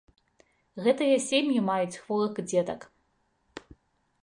Гэтыя сем'і маюць хворых дзетак.